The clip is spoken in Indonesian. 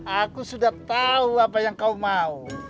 aku sudah tahu apa yang kau mau